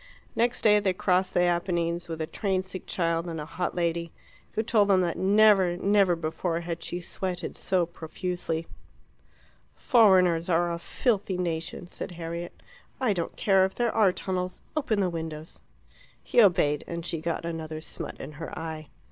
Next day they crossed the Apennines with a train sick child and a hot lady, who told them that never, never before had she sweated so profusely. "Foreigners are a filthy nation," said Harriet. "I don't care if there are tunnels; open the windows." He obeyed, and she got another smut in her eye.